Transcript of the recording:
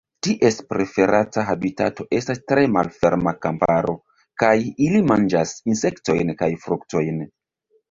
Ties preferata habitato estas tre malferma kamparo, kaj ili manĝas insektojn kaj fruktojn.